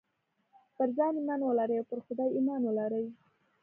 پر ځان ايمان ولرئ او پر خدای ايمان ولرئ.